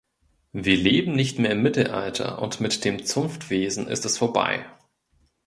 Wir leben nicht mehr im Mittelalter, und mit dem Zunftwesen ist es vorbei.